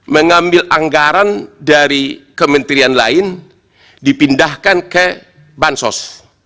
mengambil anggaran dari kementerian lain dipindahkan ke bansos